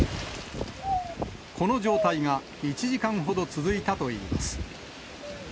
この状態が１時間ほど続いたといいます。